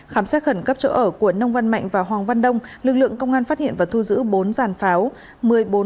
khám xét khẩn cấp chỗ ở của nông văn mạnh và hoàng văn đông lực lượng công an phát hiện và thu giữ bốn giàn pháo